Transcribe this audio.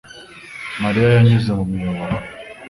mariya yanyuze mu miyoboro